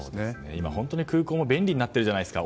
今、本当に空港も便利になっているじゃないですか。